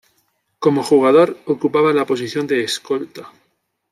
Como jugador, ocupaba la posición de Escolta.